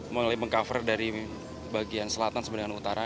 mulai meng cover dari bagian selatan sampai dengan utara